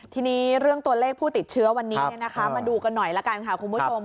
ทีนี้เรื่องตัวเลขผู้ติดเชื้อวันนี้มาดูกันหน่อยละกันค่ะคุณผู้ชม